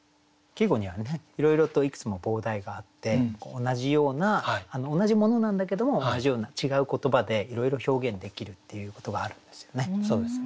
季語にはねいろいろといくつも傍題があって同じような同じものなんだけども同じような違う言葉でいろいろ表現できるっていうことがあるんですよね。